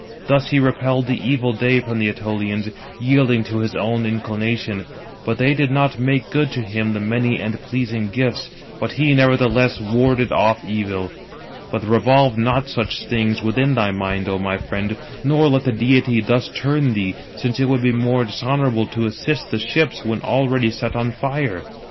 Thus he repelled the evil day from the Ætolians, yielding to his own inclination; but they did not make good to him the many and pleasing gifts; but he nevertheless warded off evil. But revolve not such things within thy mind, O my friend, nor let the deity 328 thus turn thee, since it would be more dishonourable to assist the ships [when already] set on fire.